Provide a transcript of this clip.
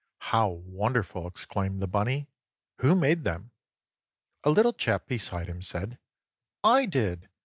"How wonderful!" exclaimed the bunny. "Who made them?" A little chap beside him said: "I did!